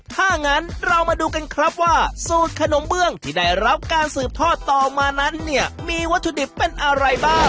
ถ้างั้นเรามาดูกันครับว่าสูตรขนมเบื้องที่ได้รับการสืบทอดต่อมานั้นเนี่ยมีวัตถุดิบเป็นอะไรบ้าง